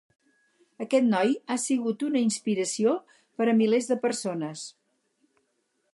Aquest noi ha sigut una inspiració per a milers de persones.